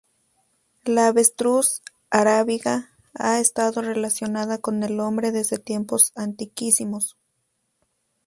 La avestruz arábiga ha estado relacionada con el hombre desde tiempos antiquísimos.